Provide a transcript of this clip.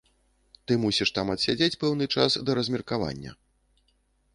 Ты мусіш там адсядзець пэўны час, да размеркавання.